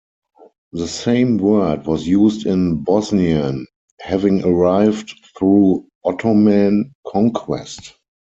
The same word was used in Bosnian, having arrived through Ottoman conquest.